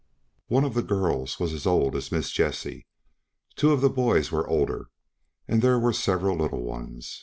One of the girls was as old as Miss Jessie; two of the boys were older, and there were several little ones.